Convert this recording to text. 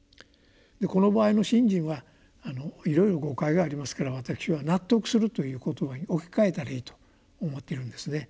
この場合の信心はいろいろ誤解がありますから私は「納得する」という言葉に置き換えたらいいと思っているんですね。